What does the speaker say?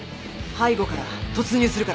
背後から突入するから。